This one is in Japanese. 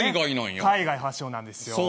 海外発祥なんですよね。